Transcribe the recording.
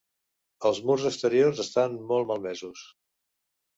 Els murs exteriors estan molt malmesos.